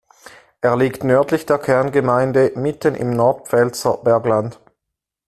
Er liegt nördlich der Kerngemeinde mitten im Nordpfälzer Bergland.